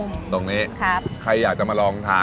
คนที่มาทานอย่างเงี้ยควรจะมาทานแบบคนเดียวนะครับ